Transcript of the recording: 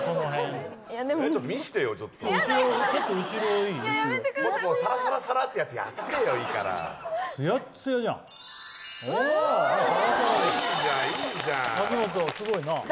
すごいな？